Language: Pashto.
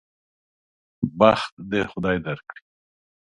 بخت دې خدای درکړي.